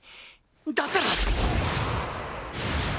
だったら！